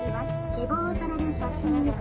希望される写真に。